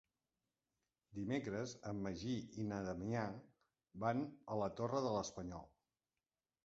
Dimecres en Magí i na Damià van a la Torre de l'Espanyol.